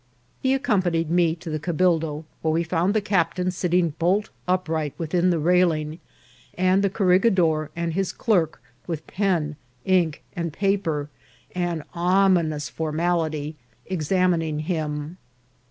He accompanied me to the cabildo, where we found the captain sitting bolt upright with in the railing, and the corregidor and his clerk, with pen, ink, and paper, and ominous formality, exam ining him.